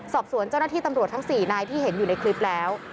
สอบสวนเจ้าหน้าที่ตำรวจทั้ง๔นายที่เห็นอยู่ในคลิปแล้ว